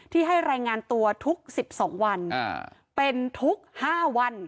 ที่ให้รายงานตัวทุกสิบสองวันอ่าเป็นทุกห้าวัน